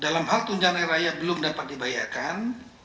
dalam hal tunjangan air raya belum dapat dibayarkan